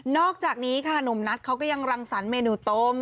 อกจากนี้ค่ะหนุ่มนัทเขาก็ยังรังสรรคเมนูต้ม